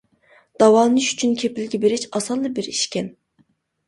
داۋالىنىش ئۈچۈن كېپىلگە بېرىش ئاسانلا بىر ئىشكەن.